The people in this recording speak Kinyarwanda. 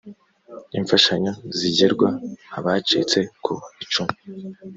imfashanyo zigerwa abacitse ku icumu.